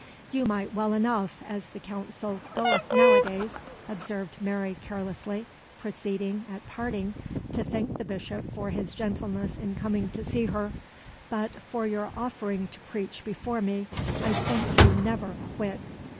"You might well enough, as the Council goeth nowadays," observed Mary carelessly; proceeding, at parting, to thank the Bishop for his gentleness in coming to see her, "but for your offering to preach before me I thank you never a whit."